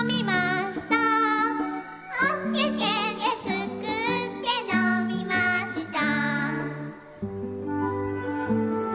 「おててですくってのみました」